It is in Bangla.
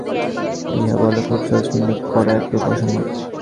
ইহা বলা খুব সহজ, কিন্তু করা একরূপ অসম্ভব।